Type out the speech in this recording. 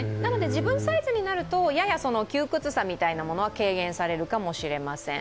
自分サイズになるとやや窮屈さみたいなものは軽減されるかもしれません。